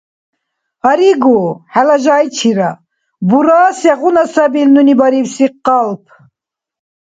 — Гьаригу, хӏела жайчира, бура сегъуна сабил нуни барибси къалп.